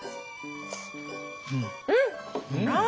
うん！